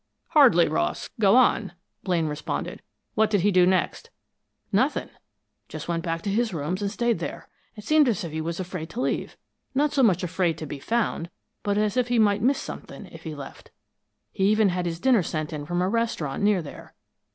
"Hardly, Ross. Go on," Blaine responded. "What did he do next?" "Nothing. Just went back to his rooms and stayed there. It seemed as if he was afraid to leave not so much afraid to be found, but as if he might miss something, if he left. He even had his dinner sent in from a restaurant near there.